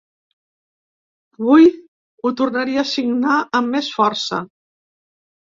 Avui ho tornaria a signar amb més força.